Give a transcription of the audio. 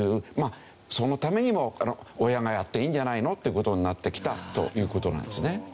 そのためにも親がやっていいんじゃないのって事になってきたという事なんですね。